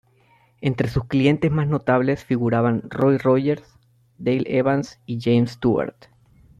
Entre sus clientes más notables figuraban Roy Rogers, Dale Evans y James Stewart.